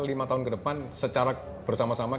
lima tahun ke depan secara bersama sama